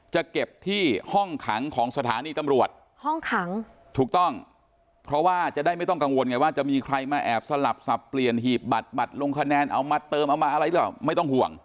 จะเก็บที่ห้องขังของสถานีตำรวจห้องขังถูกต้องเพราะว่าจะได้ไม่ต้องกังวลไงว่าจะมีใครมาแอบสลับสับเปลี่ยนหีบบัตรบัตรลงคะแนนเอามาเติมเอามาอะไรหรือเปล่าไม่ต้องห่วง